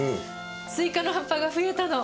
スイカの葉っぱが増えたの。